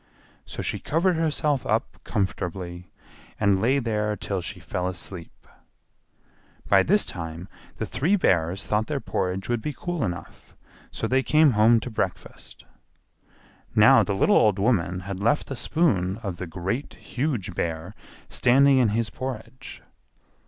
So she covered herself up comfortably, and lay there till she fell asleep. By this time the three Bears thought their porridge would be cool enough, so they came home to breakfast. Now the little old woman had left the spoon of the Great, Huge Bear standing in his porridge.